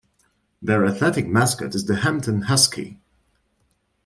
Their athletic mascot is the Hampton Husky.